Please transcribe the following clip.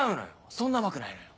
そんな甘くないのよ。